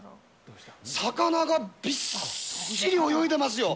魚がびっしり泳いでますよ。